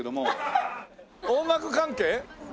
音楽関係？